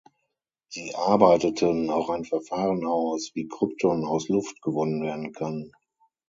Sie arbeiteten auch ein Verfahren aus, wie Krypton aus Luft gewonnen werden kann.